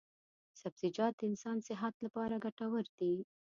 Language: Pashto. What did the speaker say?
سبزیجات د انسان صحت لپاره ګټور دي.